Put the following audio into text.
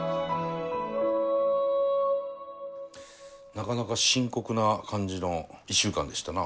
なかなか深刻な感じの１週間でしたな。